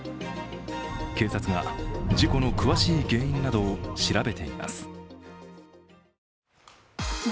警察は事故の詳しい原因などを調べています。